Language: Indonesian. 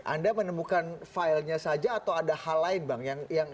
anda menemukan filenya saja atau ada hal lain bang